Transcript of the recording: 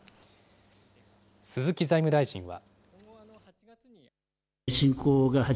鈴木財務大臣は。